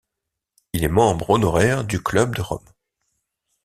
Il est membre honoraire du Club de Rome.